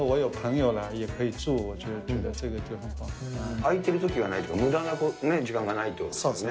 空いてるときがないと、むだな時間がないということですね。